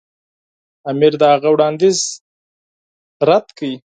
امیر د هغه وړاندیز رد کړ.